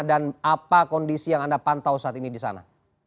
dan apa kondisi yang anda pantau saat ini di sana